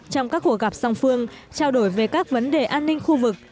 trong các cuộc gặp song phương trao đổi về các vấn đề an ninh khu vực